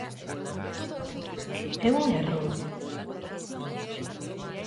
É un erro?